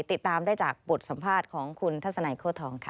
ติดตามได้จากบทสัมภาษณ์ของคุณทัศนัยโค้ทองค่ะ